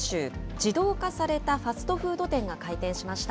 自動化されたファストフード店が開店しました。